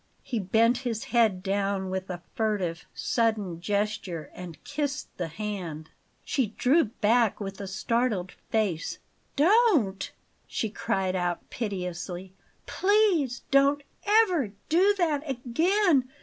He bent his head down with a furtive, sudden gesture and kissed the hand. She drew back with a startled face. "Don't!" she cried out piteously. "Please don't ever do that again!